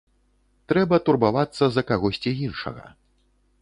Трэба турбавацца за кагосьці іншага.